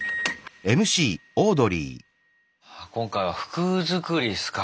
今回は服作りっすか。